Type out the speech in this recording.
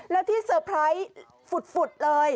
แล้วที่เซอร์ไพรส์ฝุดเลย